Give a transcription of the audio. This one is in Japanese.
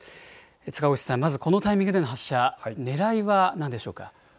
塚越さん、まずこのタイミングでの発射、ねらいは何でしょうか。